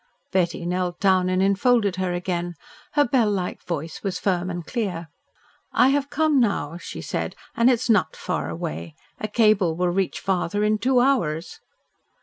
Betty knelt down and enfolded her again. Her bell like voice was firm and clear. "I have come now," she said. "And it is not far away. A cable will reach father in two hours."